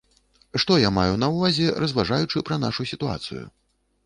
Што я маю на ўвазе, разважаючы пра нашу сітуацыю?